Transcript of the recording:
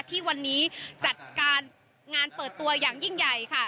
ที่วันนี้จัดการงานเปิดตัวอย่างยิ่งใหญ่ค่ะ